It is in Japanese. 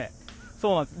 そうなんです。